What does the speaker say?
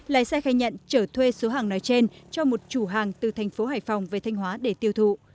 lái xe khai nhận trở thuê số hàng nói trên cho một chủ hàng từ thành phố hải phòng về thanh hóa để tiêu thụ